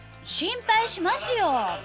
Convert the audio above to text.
心配しますよ。